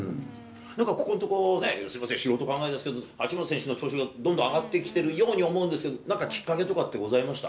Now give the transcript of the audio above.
なんかここのところね、すみません、このところ、八村選手の調子が上がってきてるように思うんですけど、なんかきっかけとかってございました？